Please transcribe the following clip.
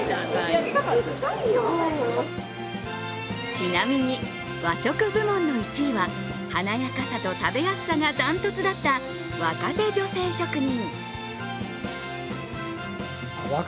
ちなみに、和食部門の１位は華やかさと食べやすさが断トツだった若手女性職人。